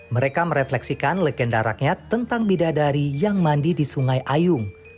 mereka merefleksikan legenda rakyat tentang bidadari yang mandi di sungai ayung